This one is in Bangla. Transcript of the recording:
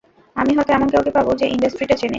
আমি হয়তো এমন কাউকে পাবো, যে ইন্ডাস্ট্রিটা চেনে।